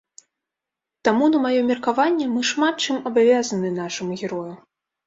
Таму, на маё меркаванне, мы шмат чым абавязаны нашаму герою.